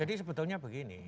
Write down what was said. jadi sebetulnya begini